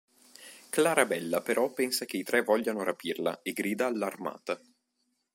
Clarabella però pensa che i tre vogliano rapirla e grida allarmata.